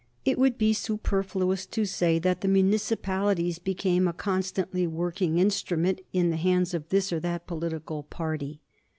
It would be superfluous to say that the municipalities became a constantly working instrument in the hands of this or that political party.